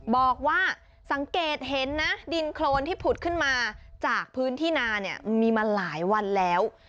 บอกว่าสังเกตเห็นนะดินโครนที่ผุดขึ้นมาจากพื้นที่นาเนี่ยมีมาหลายวันแล้ว